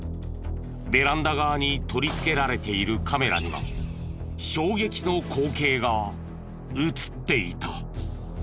ベランダ側に取り付けられているカメラには衝撃の光景が映っていた。